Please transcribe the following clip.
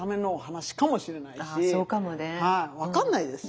はい分かんないですよね。